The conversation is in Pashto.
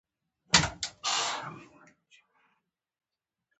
نو زه به هم يا هندو وم يا يهود او يا به عيسوى وم.